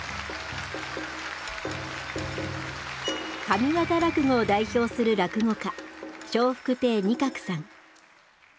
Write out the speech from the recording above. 上方落語を代表する落語家笑福亭仁鶴さん。